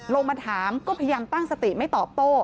ลงมาถามก็พยายามตั้งสติไม่ตอบโต้